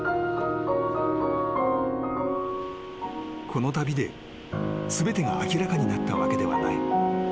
［この旅で全てが明らかになったわけではない］